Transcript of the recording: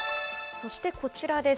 そしてこちらです。